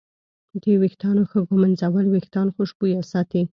د ویښتانو ښه ږمنځول وېښتان خوشبویه ساتي.